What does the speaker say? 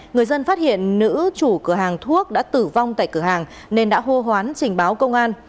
người dân phát hiện nữ chủ cửa hàng thuốc đã tử vong tại cửa hàng nên đã hô hoán trình báo công an